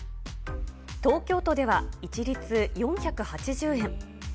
東京都では一律４８０円。